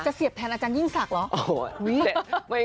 เสียบแทนอาจารยิ่งศักดิ์เหรอ